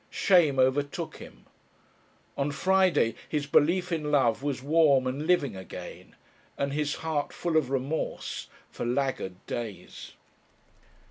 Shame overtook him. On Friday his belief in love was warm and living again, and his heart full of remorse for laggard days.